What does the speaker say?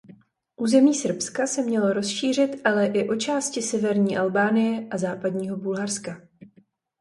Území Srbska se mělo rozšířit ale i o části severní Albánie a západního Bulharska.